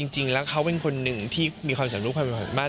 จริงแล้วเขาเป็นคนหนึ่งที่มีความสำคัญมาก